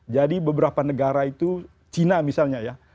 jadi beberapa negara itu cina misalnya ya